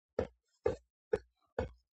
კარლისტები ძირითადად პარტიზანულ ომს აწარმოებდნენ.